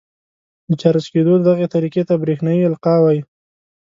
د چارج کېدو دغې طریقې ته برېښنايي القاء وايي.